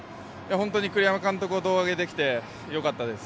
本当に栗山監督を胴上げできてよかったです。